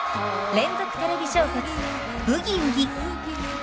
連続テレビ小説「ブギウギ」。